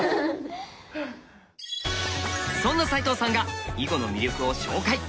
そんな齋藤さんが囲碁の魅力を紹介！